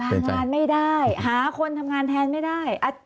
ทำงานไม่ได้หาคนทำงานแทนไม่ได้